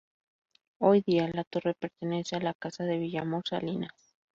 Hoy día la torre pertenece a la Casa de Villamor Salinas.